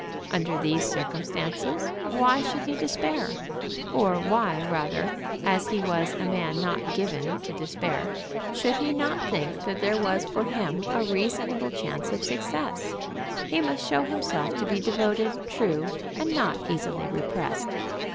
Under these circumstances, why should he despair? or why, rather, as he was a man not given to despair, should he not think that there was for him a reasonable chance of success? He must show himself to be devoted, true, and not easily repressed.